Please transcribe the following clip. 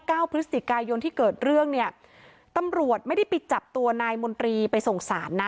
เก้าพฤศจิกายนที่เกิดเรื่องเนี่ยตำรวจไม่ได้ไปจับตัวนายมนตรีไปส่งสารนะ